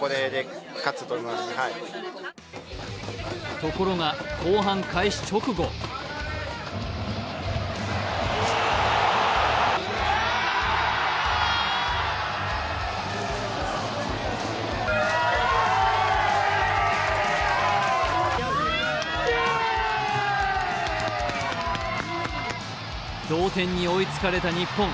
ところが後半開始直後同点に追いつかれた日本。